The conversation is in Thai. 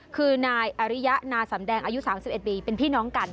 คือนายอริยะนาสำแดงอายุสามสิบเอ็ดปีเป็นพี่น้องกัน